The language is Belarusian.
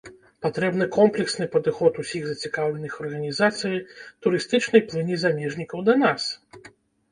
Патрэбны комплексны падыход усіх зацікаўленых у арганізацыі турыстычнай плыні замежнікаў да нас.